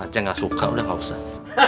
aja gak suka udah gak usah